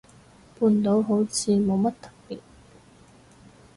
半島好似冇乜特別